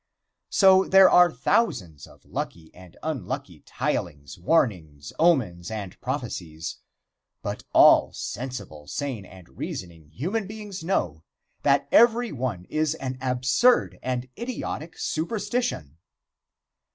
So, there are thousands of lucky and unlucky tilings, warnings, omens and prophecies, but all sensible, sane and reasoning human beings know that every one is an absurd and idiotic superstition.